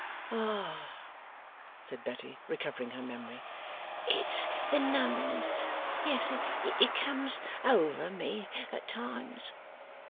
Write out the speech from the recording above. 'Ah!' said Betty, recovering her memory. 'It's the numbness. Yes. It comes over me at times.